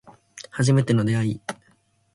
初めての出会い